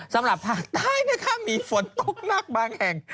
สำหรับภาคใต้นะคะมีฝนตกหนักบางแห่ง